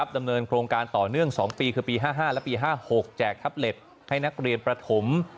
ดำเนินโครงการต่อเนื่อง๒ปีคือปี๕๕และปี๕๖แจกแท็บเล็ตให้นักเรียนประถม